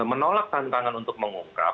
menolak tantangan untuk mengungkap